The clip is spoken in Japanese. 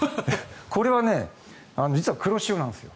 これは実は黒潮なんですよ。